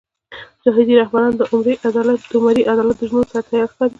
جهادي رهبران د عمري عدالت ژمنو سره تیار ښکاري.